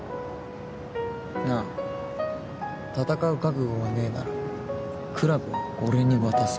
なあ戦う覚悟がねぇならクラブは俺に渡せ。